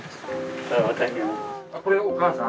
これお母さん？